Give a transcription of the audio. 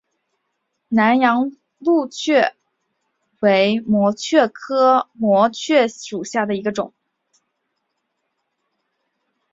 南洋蕗蕨为膜蕨科膜蕨属下的一个种。